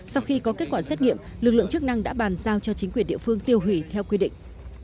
sau khi có kết quả xét nghiệm lực lượng chức năng đã bàn giao cho chính quyền địa phương tiêu hủy theo quy định